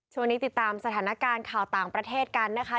ช่วงนี้ติดตามสถานการณ์ข่าวต่างประเทศกันนะคะ